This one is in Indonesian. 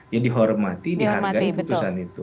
ya dihormati dihargai putusan itu